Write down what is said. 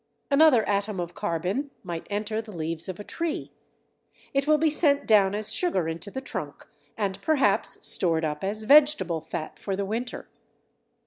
Another atom of carbon might enter the leaves of a tree: it will be sent down as sugar into the trunk and perhaps stored up as vegetable fat for the winter.